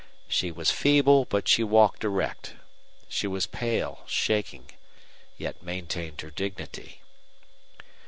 She was feeble, but she walked erect. She was pale, shaking, yet maintained her dignity.